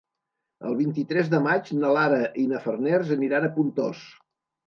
El vint-i-tres de maig na Lara i na Farners aniran a Pontós.